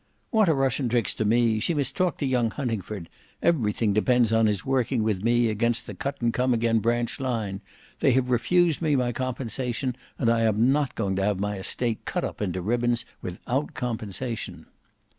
"What are Russian tricks to me; she must talk to young Huntingford; everything depends on his working with me against the Cut and Come again branch line; they have refused me my compensation, and I am not going to have my estate cut up into ribbons without compensation."